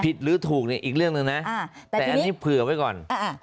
หรือถูกเนี่ยอีกเรื่องหนึ่งนะแต่อันนี้เผื่อไว้ก่อน